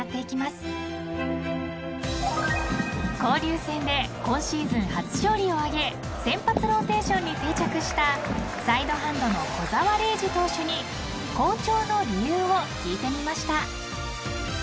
［交流戦で今シーズン初勝利を挙げ先発ローテーションに定着したサイドハンドの小澤怜史投手に好調の理由を聞いてみました］